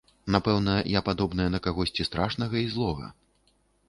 Напэўна, я падобная на кагосьці страшнага і злога.